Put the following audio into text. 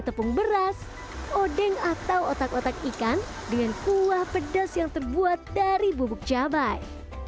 tepung beras odeng atau otak otak ikan dengan kuah pedas yang terbuat dari bubuk cabai